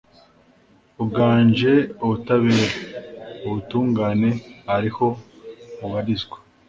uganje ubutabera, ubutungane ariho bubarizwa